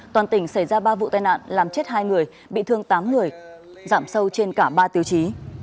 toàn tỉnh xảy ra ba vụ tai nạn làm chết hai người bị thương tám người giảm sâu trên cả ba tiêu chí